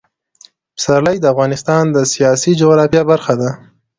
پسرلی د افغانستان د سیاسي جغرافیه برخه ده.